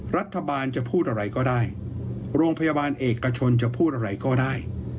รัฐบาลจะพูดอะไรก็ได้โรงพยาบาลเอกชนจะพูดอะไรก็ได้